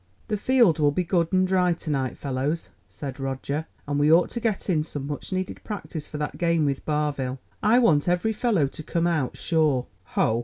"The field will be good and dry to night, fellows," said Roger, "and we ought to get in some much needed practice for that game with Barville. I want every fellow to come out, sure." "Ho!"